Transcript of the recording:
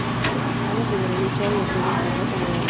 Ambos deberán luchar y así reencontrarse nuevamente.